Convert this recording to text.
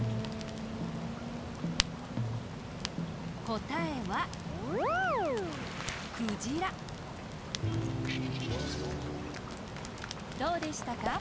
こたえはどうでしたか？